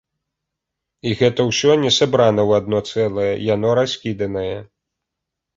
І гэта ўсё не сабрана ў адно цэлае, яно раскіданае.